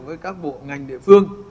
với các bộ ngành địa phương